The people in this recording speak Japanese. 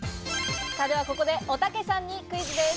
では、ここでおたけさんにクイズです。